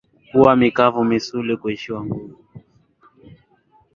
kuwa mikavuMisuli kuishiwa nguvu